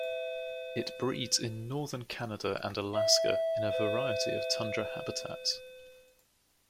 It breeds in northern Canada and Alaska in a variety of tundra habitats.